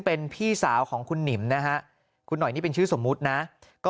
เป็นพี่สาวของคุณหนิมนะฮะคุณหน่อยนี่เป็นชื่อสมมุตินะก็